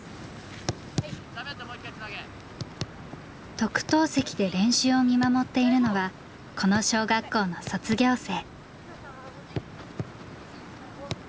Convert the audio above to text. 特等席で練習を見守っているのはこの小学校の卒業生。